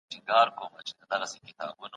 تخنیک د تولید د لوړوالي لپاره مهم ګڼل کېږي.